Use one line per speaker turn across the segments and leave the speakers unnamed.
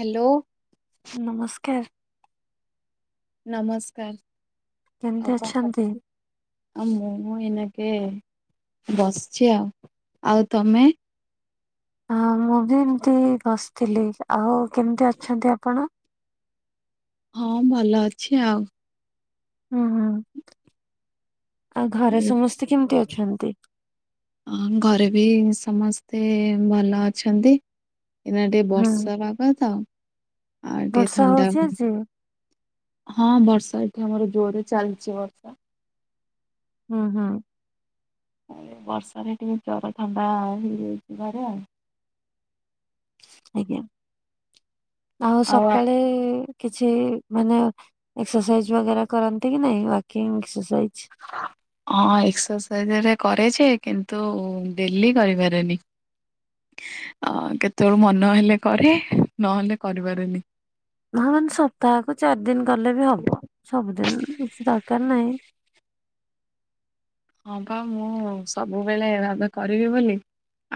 Hello.
ନମସ୍କାର୍।
ନମସ୍କାର୍,
କେମିତି
ଆଉ କଁ
ଅଛନ୍ତି?
କରୁଥିଲେ। ଆଉ ମୁଁ ଏଇନାକେ ବସିଛି ଆଉ, ଆଉ ତମେ।
ହଁ ମୁଁ ବି ଏମିତି ବସିଥିଲି, ଆଉ କେମିତି ଅଛନ୍ତି ଆପଣ?
ହଁ ଭଲ ଅଛି ଆଉ।
ହୁଁ ହୁଁ, ଆଉ ଘରେ ସମସ୍ତେ କେମତି ଅଛନ୍ତି?
ଅ ଘରେ ବି ସମସ୍ତେ ଭଲ ଅଛନ୍ତି। ଏଇନା ଟିକେ
ହୁଁ
ବର୍ଷା ପାଗ ତ ଆଉ ଟିକେ
ବର୍ଷା
ଥଣ୍ଡା।
ହଉଛି ଆଜି?
ହଁ ବର୍ଷା ଏଠି ଆମର ଜୋର ରେ ଚାଲିଛି ବର୍ଷା।
ହୁଁ ହୁଁ।
ଆଉ ଏ‌ ବର୍ଷାରେ ଟିକେ ଜର ଥଣ୍ଡା ହେଇଯାଇଛି ଘରେ ଆଉ।
ଆଜ୍ଞା ଆଉ ସକାଳେ। କିଛି ମାନେ ଏକ୍ସରସାଇଜ୍ ବଗେରା କରନ୍ତି କି ନାଇଁ ୱାକିଙ୍ଗ ଏକ୍ସରସାଇଜ୍।
ହ ହଁ ଏକ୍ସରସାଇଜ ଘରିକା କରେ ଯେ କିନ୍ତୁ ଡେଲି କରିପାରେନି। ଅ କେତେବେଳୁ ମନ ହେଲେ କରେ ନହେଲେ କରିି ପାରେନି।
ହଁ ମାନେ ସପ୍ତାହକୁ ଚାରି ଦିନ କଲେ ବି ହବ ସବୁଦିନ କିଛି ଦରକାର ନାହିଁ।
ହଁ ବା ମୁଁ ସବୁବେଳେ ଭାବେ କରିବି ବୋଲି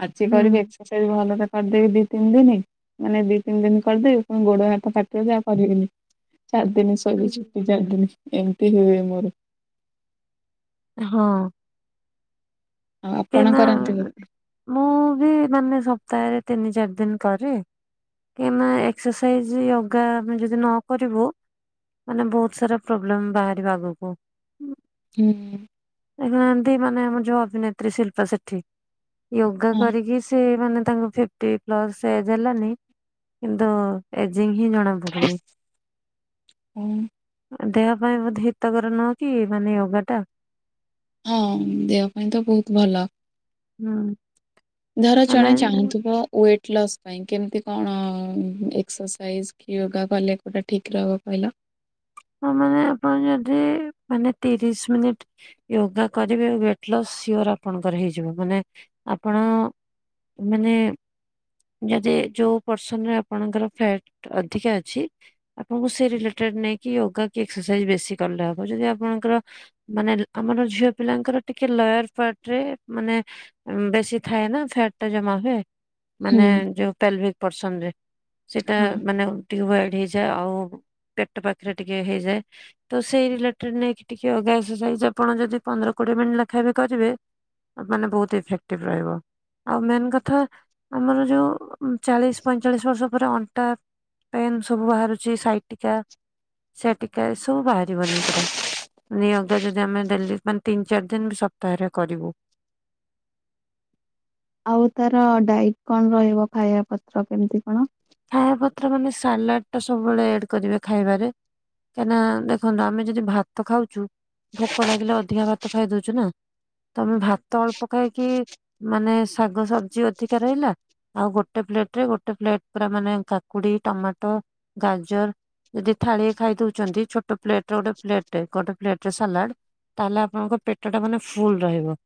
ଆଜି
ହୁଁ।
କରିବି ଏ କ୍ସରସାଇଜ୍ ଭଲ ରେ କରିଦେବି ଦି ତିନି ଦିନି। ମାନେ ଦି ତିନି ଦିନ କରିଦେବି ପୁଣି ଗୋଡ ହାତ କାଟିବ ଯେ ଆଉ କରିବିନି ଚାର ଦିନି।
ହୁଁ
କହିବି
ହୁଁ।
ଛୁଟି ଚାରି ଦିନି ଏମିତି ହୁଏ ମୋର।
ହଁ।
ଆଉ
ଏ
ଆପଣ
ମା
କରନ୍ତି ବୋଧେ?
ମୁଁ ବି ମାନେ ସପ୍ତାହରେ ତିନି ଚାରି ଦିନ କରେ। କାହିଁକିନା ଏକ୍ସରସାଇଜ୍ ୟୋଗା ଆମେ ଯଦି ନ କରିବୁ। ମାନେ ବହୁତ ସାରା ପ୍ରୋବ୍ଲେମ ବାହାରିବ ଆଗକୁ।
ହୁଁ।
ଦେଖୁନାହାନ୍ତି ମାନେ ଆମର ଯୋଉ ଅଭିନେତ୍ରୀ ଶିଳ୍ପା ସେଠୀ। ୟୋଗା
ହଁ
କରିକି ସେ ମାନେ ତାଙ୍କ‌ ଫି ପାଟି ପ୍ଲସ୍ ଏଜ ହେଲାନି କିନ୍ତୁ ଏଜିଙ୍ଗ ହିଁ ଜଣା ପଡ଼ୁ ଡୁନି।
ହଁ
ଦେହ ପାଇଁ ବୋଧେ ହିତକର ନୁହେଁ କି ମାନେ ୟୋଗା ଟା।
ହଁ ଦେହ ପାଇଁ ତ ବହୁତ ଭଲ।
ହୁଁ।
ଧର
ମାନେ
ଜଣେ ଚାହୁଁଥିବ। ୱେଟ୍ ଲସ୍ ପାଇଁ କେମିତି କଣ ଏକ୍ସରସାଇଜ୍ କି ୟୋଗା କଲେ କୋଉଟା ଠିକ୍ ରହିବ କହିଲ।
ହଁ ମାନେ ଆପଣ ଯଦି ମାନେ ତିରିଶ୍ ମିନିଟ୍ ୟୋଗା କରିବେ ୱେଟଲସ୍ ସିଓର୍ ଆପଣଙ୍କର ହେଇଯିବ ମାନେ ଆପଣ ମାନେ ଯଦି ଯଉ ପର୍ସନ ରେ ଆପଣଙ୍କର ଫ୍ୟାଟ୍ ଅଧିକା ଅଛି ଆପଣଙ୍କୁ ସେ ରିଲେଟେଡ୍ ନେଇକି ୟୋଗା କି ଏକ୍ସରସାଇଜ୍ ବେଶୀ କଲେ ହବ ଯଦି ଆପଣଙ୍କର ମାନେ ଆମର ଝିଅ ପିଲାଙ୍କର ଟିକେ ଲୟାର୍ ପାର୍ଟ ରେ ମାନେ ବେଶୀ ଥାଏ ନା ଫ୍ୟାଟ୍ ଟା ଜମା ହୁଏ।
ହୁଁ
ମାନେ ଯଉ ପେଲ୍ଵେ ପର୍ସନ୍ ରେ ସେଟା
ହଁ।
ମାନେ ଟ୍ୟୁବୱାଇଟ ହେଇଯାଏ ଆଉ ପେଟ ପାଖେରେ ଟିକେ ହେଇଯାଏ। ତ ସେଇ ରିଲେଟେଡ୍ ନେଇକି ଟିକେ ୟୋଗା ଏକ୍ସରସାଇଜ୍ ଆପଣ ଯଦି ପନ୍ଦର କୋଡିଏ ମିନିଟ୍ ଲେଖାଏଁ ବି କରିବେ ମାନେ ବହୁତ୍ ଇଫେକ୍ଟିଭ୍ ରହିବ। ଆଉ ମେନ୍ କଥା ଆମର ଯଉ ଚାଳିଶ୍ ପଇଁଚାଳିଶ୍ ବର୍ଷ ପରେ ଅଣ୍ଟା ପେନ୍ ସବୁ ବାହାରୁଚି ସାଇଟିକା ସାଇଟିକା ଏସବୁ ବାହାରିବନି ପୁରା। ନି ୟୋଗା ଯଦି ଆମେ ଡେଲି ମାନେ ତିନି ଚାରି ଦିନ ବି ସପ୍ତାହରେ କରିବୁ।
ଆଉ ତାର ଡାଇଟ୍ କଣ ରହିବ ଖାଇବା ପତ୍ର କେମିତି କଣ?
ଖାଇବା ପତ୍ର ମାନେ ସାଲାଡ୍ ଟା ସବୁବେଳେ ଆଡ୍ କରିବେ ଖାଇବାରେ କାହିଁକିନା ନା ଦେଖନ୍ତୁ ଆମେ ଯଦି ଭାତ ଖାଉଚୁ ଭୋକ ଲାଗିଲେ ଅଧିକା ଭାତ ଖାଇଦଉଚୁ ନା ତମେ ଭାତ ଅଳ୍ପ ଖାଇକି ମାନେ ଶାଗ ସବ୍ଜି ଅଧିକା ରହିଲା ଆଉ ଗୋଟେ ପ୍ଲେଟ୍ ରେ ଗୋଟେ ପ୍ଲେଟ୍ ପୁରା ମାନେ କାକୁଡି, ଟମାଟୋ, ଗାଜର୍ ଯଦି ଥାଳିଏ ଖାଇ ଦଉଚନ୍ତି ଛୋଟ ପ୍ଲେଟ୍ ରେ ଗୋଟେ ପ୍ଲେଟ୍ -ଗୋଟେ ପ୍ଲେଟ୍ ରେ ସାଲାଡ୍ ତାହେଲେ ଆପଣଙ୍କ ପେଟ ଟା ମାନେ ଫୁଲ୍ ରହିବ।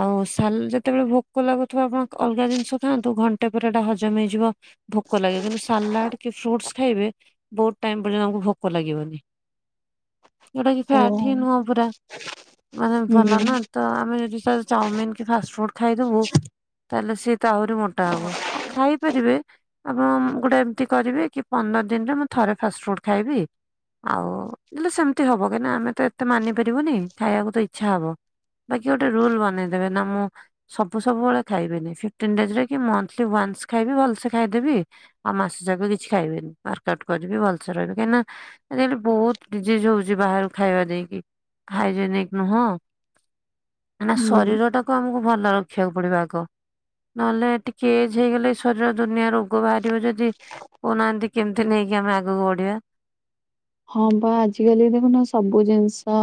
ଆଉ ସାଲ୍- ଯେତେବେଳେ ଭୋକ ଲାଗୁଥିବ ଆପଣ ଅଲଗା ଜିନିଷ ଖାଆନ୍ତୁ ଘଣ୍ଟେ ପରେ ଏଟା ହଜମ ହେଇଯିବ ଭୋକ ଲାଗେ କିନ୍ତୁ ସାଲାଡ୍ କି ଫ୍ରୁଟସ୍ ଖାଇବେ ବହୁତ ଟାଇମ୍ ପର୍ଯ୍ୟନ୍ତ ଆମକୁ ଭୋକ ଲାଗିବନି ଯଉଟା କି
ଓ
[unintelligible] ଠିକ୍ ନୁହଁ ପୁରା। ମାନେ ଭଲ
ହୁଁ
ନା ତ ଆମେ ଯଦି ସାର୍ ଚାଉମିିନ୍ କି ଫାଷ୍ଟଫୁଡ୍ ଖାଇଦବୁ ତାହେଲେ ସିଏ ତ ଆହୁରି ମୋଟା ହବ ଆଉ [unintelligible] ଖାଇ ପାରିବେ ଆପଣ ଗୋଟେ ଏମିତି କରିବେ କି ପନ୍ଦର୍ ଦିନରେ ମୁଁ ଥରେ ଫାଷ୍ଟଫୁଡ୍ ଖାଇବି ଆଉ ହେଲେ ସେମିତି ହବ କାଇଁକି ନା ଆମେ ତ ଏତେ ମାନି ପାରିବୁନି ଖାଇବାକୁ ତ ଇଚ୍ଛା ହବ। ବାକି ଗୋଟେ ରୁଲ୍ ବନେଇଦେବେ ନା ମୁଁ ସବୁ ସବୁବେଳେ ଖାଇବେନି ଫିପ୍ଟିନ୍ ଡେଜ୍ ରେ କି ମନ୍ଥଲି ୱାନ୍ସ୍ ଖାଇବେ ଭଲ୍ ସେ ଖାଇଦେବି ଆଉ ମାସ ଯାକ କିଛି ଖାଇବିନି ୱାର୍କ ଆଉଟ୍ କରିବି ଭଲସେ ରହିବି କାଇଁ ନା ଆଜି କାଲି ବହୁତ ଡିଜିଜ୍ ହଉଚି ବାହାରୁ ଖାଇବା ନେଇକି। ହାଇଜେନିକ୍ ନୁହଁ କାଇଁ ନା
ହୁଁ
ଶରୀର ଟ କୁ ଆମକୁ ଭଲ ରଖିବାକୁ ପଡିବ ଆଗ ନହେଲେ ଟିକେ ଏଜ୍ ହେଇଗଲେ ଶରୀର ଦୁନିଆ ରୋଗ ବାହାରିବ ଯଦି କହୁନାହାନ୍ତି କେମିତି ନେଇକି ଆମେ ଆଗକୁ ବଢିବା।
ହଁ ପା ଆଜି କାଲି ଦେଖୁନ ସବୁ ଜିନିଷ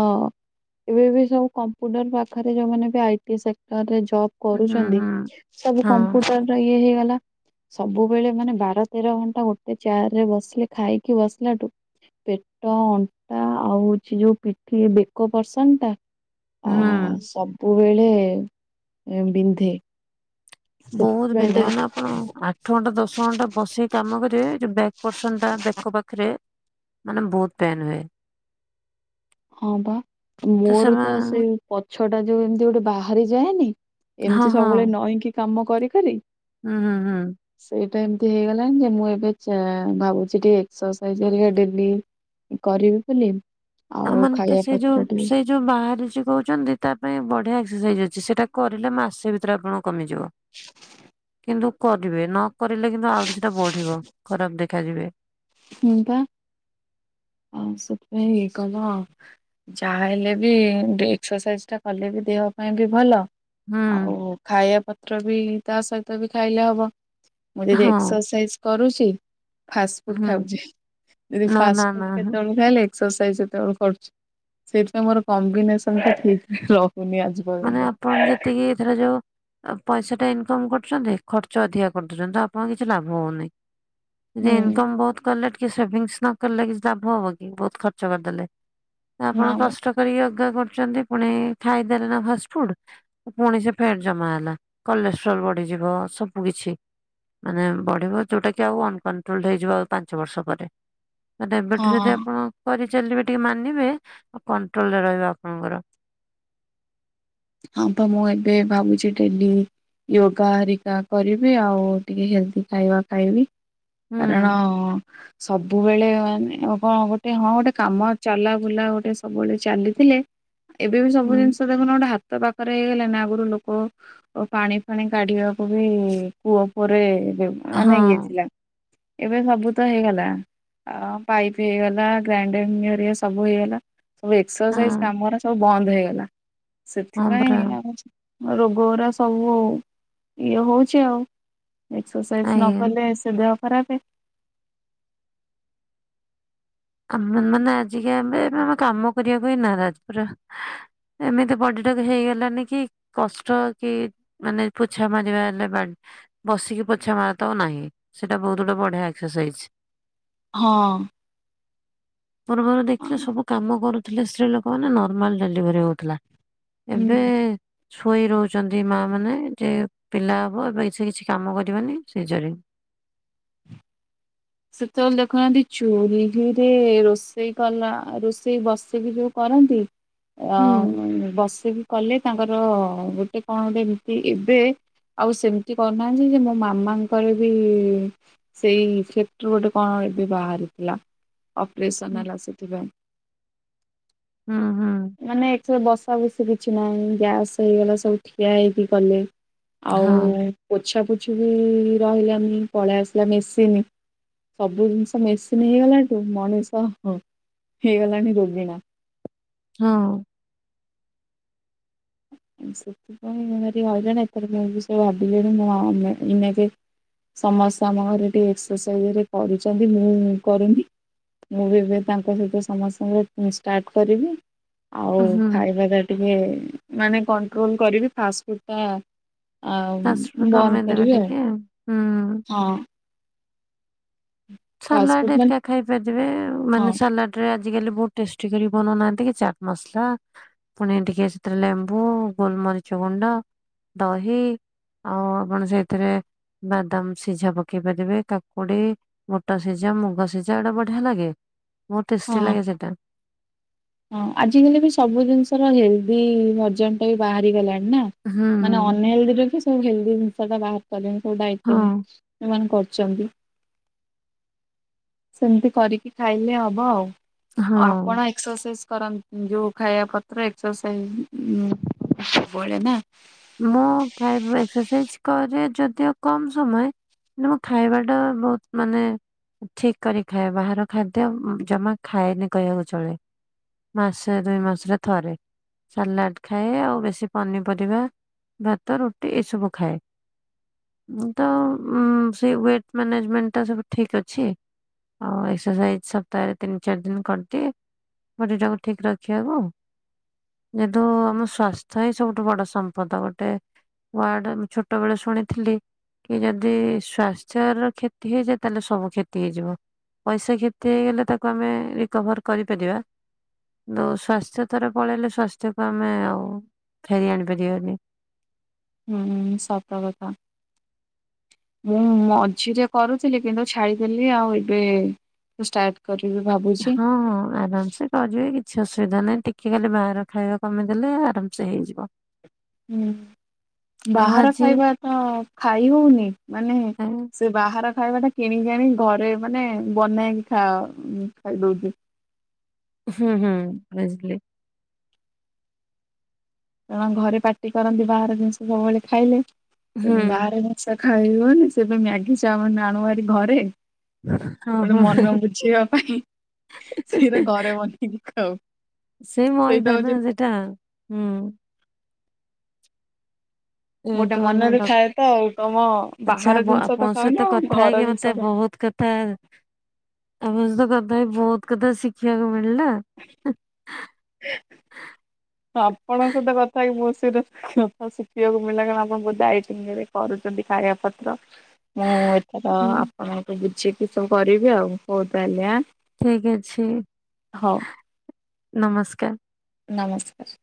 ଏବେ ବି ସବୁ କମ୍ପୁଟର ପାଖେରେ ଯଉମାନେ ବି ଆଇଟି ସେକ୍ଟରରେ ଜବ୍
ହୁଁ
କରୁଚନ୍ତି
ହୁଁ
ସବୁ
ହଁ।
କମ୍ପୁଟର ର ଇଏ ହେଇଗଲା ସବୁବେଳେ ମାନେ ବାର ତେର ଘଣ୍ଟା ଗୋଟେ ଚେୟାର୍ ରେ ବସିଲେ ଖାଇକି ବସିଲାଠୁ ପେଟ, ଅଣ୍ଟା ଆଉ ହଉଚି ଯଉ ପିଠି ବେକ ପର୍ସନ୍ ଟା
ହୁଁ
ଆ- ସବୁବେଳେ ବିନ୍ଧେ।
ବହୁତ୍
ସେଥିପାଇଁ ତ
ବିନ୍ଧେ ମାନେ ଆପଣ ଆଠ ଘଣ୍ଟା ଦଶ ଘଣ୍ଟା ବସିକି କାମ କରିବେ ଯଉ ବ୍ୟାକ୍ ପର୍ସନ ଟା ବେକ ପାଖେରେ ମାନେ ବହୁତ୍ ପେନ୍ ହୁଏ।
ହଁ ବା, ମୋର ତ ସେଇ ପଛ ଟା ଯୋଉ ଏମିତି ଗୋଟେ ବାହାରି ଯାଏନି
ହଁ
ଏମିତି
ହଁ
ସବୁବେଳେ ନଈକି କାମ କରିିକରି
ହୁଁ, ହୁଁ, ହୁଁ।
ସେଇଟା ଏମତି ହେଇଗଲାଣି ଯେ ମୁଁ ଏବେ ଚେ ଭାବୁଚି ଟିକେ ଏକ୍ସରସାଇଜ୍ ହେରିକା ଡ଼େଲି କରିବି ବୋଲି।
ଆମନ ତ
ଖାଇବା
ସେଇ ଯୋଉ
ପତ୍ର ଟିକେ
ସେଇ ଯୋ ଯଉ ବାହାରିଛି କହୁଛନ୍ତି ତା ପାଇଁ ବଢିଆ ଏକ୍ସରସାଇଜ୍ ଅଛି ସେଇଟା କରିଲେ ମାସେ ଭିତରେ ଆପଣଙ୍କ କମିଯିବ।
[inaudible]
କିନ୍ତୁ କରିବେ, ନକରିଲେ କିନ୍ତୁ ଆହୁରି ସେଟା ବଢିବ ଖରାପ ଦେଖାଯିବେ।
ହୁଁ ପା ଆଉ ସେତିପାଇଁ ଇଏ କଲ ଯାହା ହେଲେ ବି ଏକ୍ସରସାଇଜ ଟା କଲେ ବି ଦେହ ପାଇଁ ବି ଭଲ।
ହୁଁ
ଆଉ ଖାଇବା ପତ୍ର ବି ତା ସହିତ ବି ଖାଇଲେ ହବ। ମୁଁ ଯଦି
ହଁ
ଏକ୍ସରସାଇଜ କରୁଚି ଫାଷ୍ ଫୁଡ୍
ହୁଁ
ଖାଉଛଚି, ଦିଦି
ନା
ଫାଷ୍ଟ
ନା
ଫୁତ୍
ନା ହୁଁ।
କେତେବେଳୁ ଖାଇଲେ? ଏକ୍ସରସାଇଜ୍ ସେତେବେଳୁ କରୁଚି। ସେଇଥିପାଇଁ ମୋର କମ୍ବିନେସନ ଟା ଠିକ୍ରେ ରହୁନି ଆଜି।
ମାନେ
ପର୍ଯ୍ୟନ୍ତ
ଆପଣ ଯେତିକି ଧରା ଯାଉ ଆଉ ପଇସା ଟା ଇନକମ୍ କରୁଚନ୍ତି ଖର୍ଚ୍ଚ ଅଧିକା କରିଦଉଚନ୍ତି ତ ଆପଣଙ୍କ କିଛି ଲାଭ ହଉନି। ଯଦି
ହୁଁ
ଇନକମ୍ ବହୁତ କଲେ ଟିକେ ସେଭିଙ୍ଗସ୍ ନକଲେ କିଛି ଲାଭ ହବ କି ବହୁତ ଖର୍ଚ୍ଚ କରିଦେଲେ। ଆପଣ
ନା ମ
କଷ୍ଟ କରିକି ରୋଜଗାର କରୁଛନ୍ତି ପୁଣି ଖାଇଦେଲେ ନା ଫାଷ୍ଟ ଫୁଡ୍ ପୁଣି ସେ ଫ୍ୟାଟ୍ ଜମା ହେଲା, କଲେଷ୍ଟ୍ରୋଲ ବଢିଯିବ ସବୁ କିଛି ମାନେ ବଢିବ ଯୋଉଟା କି ଆଉ ଅନକଣ୍ଟ୍ରୋଲ ହେଇଯିବ ଆଉ ପାଞ୍ଚ ବର୍ଷ ପରେ। ତାହେଲେ ଏବେଠୁ ଯଦି
ହଁ।
ଆପଣ କରିଚାଲିବେ ଟିକେ ମାନିବେ ଆଉ କଣ୍ଟ୍ରୋଲ ରେ ରହିବ ଆପଣଙ୍କର।
ହଁ ବା ମୁଁ ଏବେ ଭାବୁଚି ଡ଼େଲି ୟୋଗା ହରିକା କରିବି, ଆଉ ଟିକେ ହେଲ୍ଦି ଖାଇବା ଖାଇବି।
ହୁଁ
କାରଣ ସବୁବେଳେ ମାନେ କଣ ଗୋଟେ ହଁ ଗୋଟେ କାମ ଚାଲା ବୁଲା ଗୋଟେ ସବୁବେଳେ ଚାଲିଥିଲେ ଏବେ ବି ସବୁ
ହୁଁ।
ଜିନିଷ ଦେଖୁନ ଗୋଟେ ହାତ ପାଖରେ ହେଇଗଲେ ନା ଆଗରୁ ଲୋକ ଓ ପାଣି ଫାଣି କାଢିବାକୁ ବି କୂଅ ଫୁଅରେ
ହଁ
ମାନେ ଇଏ ଥିଲା। ଏବେ ସବୁ ତ ହେଇଗଲା। ଆ ପାଇପ୍ ହେଇଗଲା ଗ୍ରାଇଣ୍ଡରିଙ୍ଗ ହେରିକା ସବୁ ହେଇଗଲା। ସବୁ ଏକ୍ସରସାଇଜ୍
ହଁ
କାମରା ସବୁ ବନ୍ଦ୍ ହେଇଗଲା।
ହଁ
ସେଥିପାଇଁ
ପରା
ଆଉ ରୋଗ ଗୁରା ସବୁ ଇଏ ହଉଚି ଆଉ। ଏକ୍ସରସାଇଜ୍ ନ
ଆଜ୍ଞା।
କଲେ ସେ ଦେହ ଖରାପେ।
ଆ- ମାନେ ଆଜିକା ଆମେ- ଆମେ କାମ କରିବାପାଇଁ ନାରାଜ ପୁରା ଏମିତି ବଡିଟା ବି ହେଇଗଲାନି କି କଷ୍ଟ କି ମାନେ ପୋଛା ମାରିବା [unintelligible] ବସିକି ପୋଛା ମାରଦବ ନାହିଁ ସେଇଟା ବହୁତ୍ ଗୋଟେ ବଢିଆ ଏକ୍ସରସାଇଜ୍।
ହଁ।
ପୂର୍ବରୁ ଦେଖିଲେ ସବୁ କାମ କରୁଥିଲେ ସ୍ତ୍ରୀ ଲୋକ ମାନେ ନର୍ମାଲ ଡେଲିଭରି ହଉଥିଲା। ଏବେ
ହୁଁ।
ଶୋଇ ରହୁଚନ୍ତି ମା ମାନେ ଯେ ପିଲା ହବ ଏବେ ସେ କିଛି କାମ କରିବନି ସିଜରିଙ୍ଗ
ସେତେବେଳେ ଦେଖୁନାହାନ୍ତି ଚୁଲିରେ ରୋଷେଇ କଲା ରୋଷେଇ ବସିକି ଯଉ କରନ୍ତି ଅ
ହୁଁ ହୁଁ।
ବସିକି କଲେ ତାଙ୍କର ଗୋଟେ କଣ ଗୋଟେ ଏମିତି ଏବେ ଆଉ ସେମିତି କରୁନାହାନ୍ତି ଯେ ମୋ ମାମାଙ୍କର ବି ସେଇ ଥିରୁ ଗୋଟେ କଣ ଏବେ ବାହାରିଥିଲା ଅପରେସନ୍ ହେଲା ସେଥିପାଇଁ।
ହୁଁ ହୁଁ।
ମାନେ ଏକ୍ ତ ବସା ବସି କିଛି ନାହିଁ ଗ୍ୟାସ୍ ହେଇଗଲା ସବୁ ଠିଆ ହେଇକି କଲେ। ଆଉ
ହଁ
ପୋଛା ପୋଛି ବି ରହିଲାନି ପଳେଇ ଆସିଲା ମେସିିନି। ସବୁ ଜିନିଷ ମେସିନ୍ ହେଇଗଲାଠୁ ମଣିଷ ହେଇଗଲାଣି ରୋଗିଣା।
ହଁ
[unintelligible] ସମସ୍ତେ ଆମ ଘରେ ଟିକେ ଏକ୍ସରସାଇଜ୍ ହେଲେ କରୁଚନ୍ତି ମୁଁ କରୁନି। ମୁଁ ବି ଏବେ ତାଙ୍କ ସହିତ ସମସ୍ତଙ୍କ ଷ୍ଟାର୍ଟ କରିବି। ଆଉ
ହୁଁ।
ଖାଇବା ଟା ଟିକେ ମାନେ କଣ୍ଟ୍ରୋଲ୍ କରିବି ଫାଷ୍ଟଫୁଡ଼୍ ଟା ଆଉ
ଶାଶୁର
ବନ୍ଦ୍
କମେଇଦେବେ
କରିବି ଆଉ
ଟିକେ ହୁଁ।
-ହଁ।
ସାଲାଡ
ଫାଷ୍ଟଫୁଡ୍ ମାନେ
ଏରିକା ଖାଇ ପାରିବେ
ହଁ
ମାନେ ସାଲାଡ୍ ରେ ଆଜିକାଲି ବହୁତ ଟେଷ୍ଟି କରି ବନଉ ନାହାନ୍ତି କି ଚାଟ୍ ମସଲା ପୁଣି ଟିକେ ସେଥିରେ ଲେମ୍ବୁ, ଗୋଲମରିଚ ଗୁଣ୍ଡ, ଦହି, ଆଉ ଆପଣ ସେଇଥିରେ ବାଦାମ୍ ସିଝା ପକେଇ ପାରିବେ। କାକୁଡି ବୁଟ ସିଝା, ମୁଗ ସିଝା ଏଟା ବଢିଆ ଲାଗେ ବହୁତ୍ ଟେଷ୍ଟି
ହଁ
ଲାଗେ ସେଇଟା।
ହଁ ଆଜିକାଲି ବି ସବୁ ଜିନିଷର ହେଲ୍ଦି ବର୍ଜନ୍ ଟା ବି ବାହାରି ଗଲାଣି ନା।
ହୁଁ
ମାନେ
ହୁଁ
ଅନ୍ ହେଲ୍ଦି ରେବୀ ସବୁ ହେଲ୍ଦି ଜିନିଷ ଟା ବାହାର କରିନି ସବୁ
ହଁ
ସେମାନେ କରିଚନ୍ତି। ସେମିତି କରିକି ଖାଇଲେ ହବ। ଆଉ
ହଁ
ଆପଣ [unintelligible]
ମୁଁ ଖାଇବା ଏକ୍ସରସାଇଜ୍ କରେ ଯଦିଓ କମ୍ ସମୟ- ମୁଁ ଖାଇବା ଟା ବହୁତ୍ ମାନେ ଠିକ୍ କରି ଖାଏ ବାହାର ଖାଦ୍ୟ ଜମା ଖାଏନି କହିବାକୁ ଚଳେ। ମାସେ ଦୁଇ ମାସରେ ଥରେ। ସାଲାଡ୍ ଖାଏ ଆଉ ବେଶି ପନିପରିବା ଭାତ ରୁଟି ଏସବୁ ଖାଏ। ତ ସେ ୱେଟ୍ ମ୍ୟାନେଜମେଣ୍ଟ୍ ଟା ସବୁ ଠିକ୍ ଅଛି। ଆଉ ଏକ୍ସରସାଇଜ୍ ସପ୍ତାହରେ ତିନି ଚାରି ଦିନ କରିଦିଏ। ବଡି ଟାକୁ ଠିକ୍ ରଖିବାକୁ ଯେହେତୁ ଆମ ସ୍ଵାସ୍ଥ୍ୟ ହିଁ ସବୁଠୁ ବଡ ସମ୍ପ ପଦ ଗୋଟେ ୱାଡ୍ ଛୋଟ ବେଳେ ଶୁଣିଥିଲି କି ଯଦି ସ୍ଵାସ୍ଥ୍ୟ ର କ୍ଷତି ହେଲେ ତାହେଲେ ସବୁ କ୍ଷତି ହେଇଯିବ। ପଇସା କ୍ଷତି ହେଇଗଲେ ତାକୁ ଆମେ ରିକଭର କରିପାରିବା। ସ୍ୱାସ୍ଥ୍ୟ ଥରେ ପଳେଇଲେ ସ୍ୱାସ୍ଥ୍ୟ କୁ ଆମେ ଆଉ ଫେରି ଆଣି ପାରିବନି।
ସତ କଥା। ମୁଁ ମଝିରେ କରୁଥିଲି କିନ୍ତୁ ଛାଡ଼ିଦେଲି ଆଉ ଏବେ ଷ୍ଟାର୍ଟ କରିବି ଭାବୁ
ହଁ ହଁ ଆରାମ ସେ। ର ଯିବେ କିଛି ଅସୁବିଧା ନାହିଁ ଟିକେ କାଲି ବାହାର ଖାଇବା କମେଇଦେଲେ ଆରାମସେ ହେଇଯିବ।
ହୁଁ
ଆଉ
ବାହାର
ଆଜି
ଖାଇବା ତ ଖାଇ ହଉନି। ମାନେ
ଏ
ସେ ବାହାର ଖାଇବା ଟା କିଣିକିଣି ଘରେ ମାନେ ବନେଇକି ଖାଓ ଖାଇଦଉଛି।
ହୁଁ ହୁଁ ବୁଝିଲି।
କଣ ଘରେ ପାାର୍ଟି କରନ୍ତି ବାହହାର ଜିନିଷ ସବୁବେଳେ ଖାଇଲେ।
ହୁଁ
ବାହାରେ ଆଇସା ଖାଇବନି ସେବେ ମ୍ୟାଗି ଚାଉମିନ୍ ଆଣୁ ଭାରି ଘରେ
ହଁ
ଗୋଟେ
ହଁ
ମନ ବୁଝେଇବା ପାଇଁ ସେଇଟା ଘରେ ବନେଇକି କାଉ।
ସେ ମଇଦା ନା ସେଟା? ହୁଁ। ଏ
ଗୋଟେ
ତ ମାନେ
ମନରେ ଥାଏ ତ ଆଉ ତମ
ଡକ
ବାହାର
ଆଚ୍ଛା ବ
ଜିନିଷ ତ
ଆପଣ
ଖାଉନ
ସହିତ
ଆଉ
କଥା
ଘର
ହେଇକି
ଜିନିଷ
ମତେ
ଖାଉ।
ବହୁତ କେ ତା ଆମ ସହିତ କଥା ହେଇ ବହୁତ କଥା ଶିଖିବାକୁ ମିଳିଲା।
[inaudible] ଆପଣଙ୍କ ସହିତ କଥା ହେଇ ବହୁତ ସାରା କଥା ଶିଖିବାକୁ ମିଳିଲା କାରଣ ଆପଣ ବହୁତ ଦାଇତ ଇଏରେ କରୁଛନ୍ତି ଖାଇଆ ପତ୍ର। ମୁଁ ଏଥର
ହୁଁ,
ଆପଣଙ୍କୁ ବୁଝିକି ସବୁ କରିବି ଆଉ ହଉ ତାହାଲେ ଆଁ।
ଠିକ ଅଛି
ହଉ
ନମସ୍କାର।
ନମସ୍କାର।